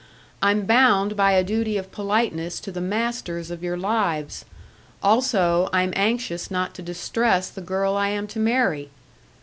I'm bound by a duty of politeness to the masters of your lives; also, I'm anxious not to distress the girl I am to marry!"